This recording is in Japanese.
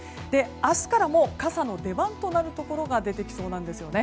明日からもう傘の出番となるところが出てきそうなんですね。